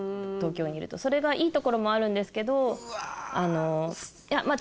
それがいいところもあるんですけど。